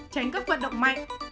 tránh các vận động mạnh